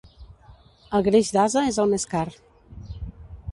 El greix d'ase és el més car.